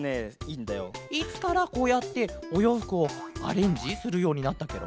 いつからこうやっておようふくをアレンジするようになったケロ？